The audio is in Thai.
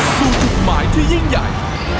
สู่จุดหมายที่ยิ่งใหญ่